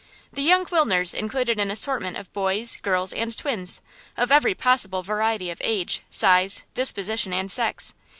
The young Wilners included an assortment of boys, girls, and twins, of every possible variety of age, size, disposition, and sex.